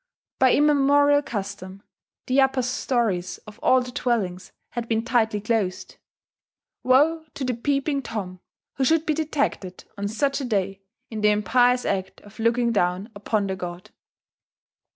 By immemorial custom the upper stories of all the dwellings had been tightly closed: woe to the Peeping Tom who should be detected, on such a day, in the impious act of looking down upon the god!...